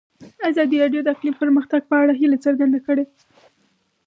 ازادي راډیو د اقلیم د پرمختګ په اړه هیله څرګنده کړې.